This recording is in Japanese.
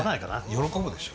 喜ぶでしょ。